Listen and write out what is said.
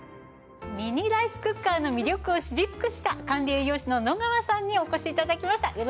ミニライスクッカーの魅力を知り尽くした管理栄養士の野川さんにお越し頂きました。